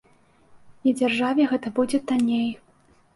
І дзяржаве гэта будзе танней.